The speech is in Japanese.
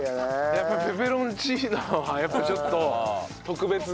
やっぱペペロンチーノはちょっと特別ですね。